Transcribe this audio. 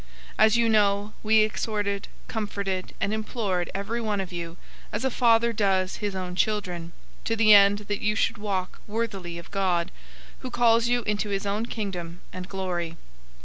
002:011 As you know, we exhorted, comforted, and implored every one of you, as a father does his own children, 002:012 to the end that you should walk worthily of God, who calls you into his own Kingdom and glory.